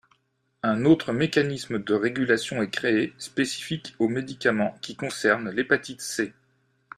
Un autre mécanisme de régulation est créé, spécifique aux médicaments qui concernent l’hépatite C.